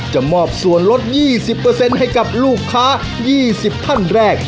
จะมอบส่วนลดยี่สิบเปอร์เซ็นต์ให้กับลูกค้ายี่สิบท่านแรก